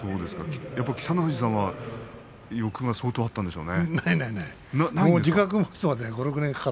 北の富士さんは相当、力があったんでしょうね。